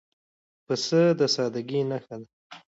پسه د سادګۍ نښه ده.